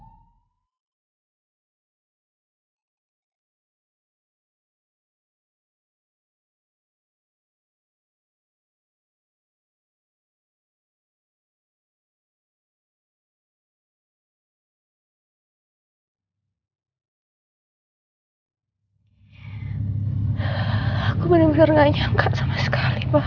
aku benar benar gak nyangka sama sekali mbak